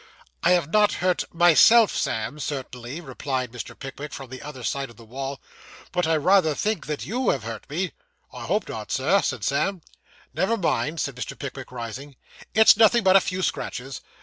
'I have not hurt myself, Sam, certainly,' replied Mr. Pickwick, from the other side of the wall, 'but I rather think that _you _have hurt me.' 'I hope not, Sir,' said Sam. 'Never mind,' said Mr. Pickwick, rising, 'it's nothing but a few scratches.